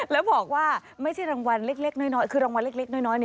แล้วบอกว่าไม่ใช่รางวัลเล็กน้อยคือรางวัลเล็กน้อย